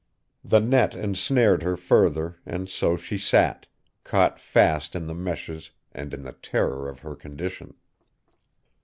The net ensnared her further and so she sat, caught fast in the meshes and in the terror of her condition.